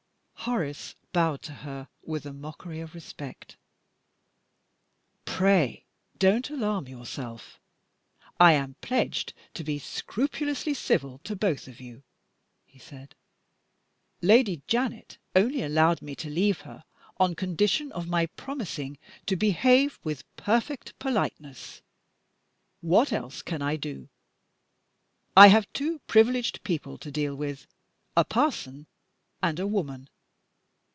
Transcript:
Horace bowed to her with a mockery of respect. "Pray don't alarm yourself I am pledged to be scrupulously civil to both of you," he said. "Lady Janet only allowed me to leave her on condition of my promising to behave with perfect politeness. What else can I do? I have two privileged people to deal with a parson and a woman.